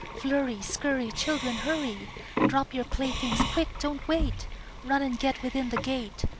Flurry, scurry, Children, hurry! Drop your playthings! Quick! don't wait! Run and get within the gate!